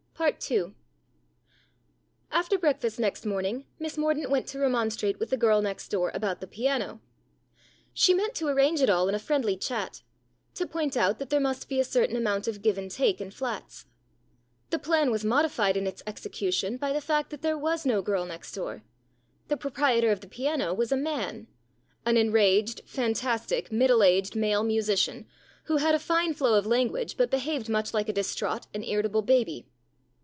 II AFTER breakfast next morning Miss Mordaunt went to remonstrate with the girl next door about the piano. She meant to arrange it all in a friendly chat to point out that there must be a certain amount of give and take in flats. The plan was modified in its execution by the fact that there was no girl next door. The proprietor of the piano was a man an enraged, fantastic, middle aged, male musician, who had a fine flow of language, but behaved much like a distraught and irritable baby.